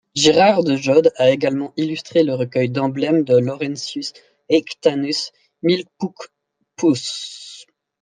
Gérard de Jode a également illustré le recueil d'emblèmes de Laurentius Haechtanus, Μικροκόσμος.